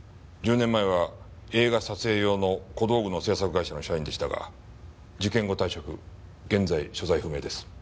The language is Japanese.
１０年前は映画撮影用の小道具の制作会社の社員でしたが事件後退職現在所在不明です。